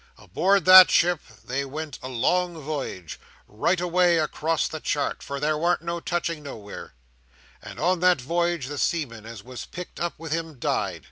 —aboard that ship, they went a long voyage, right away across the chart (for there warn't no touching nowhere), and on that voyage the seaman as was picked up with him died.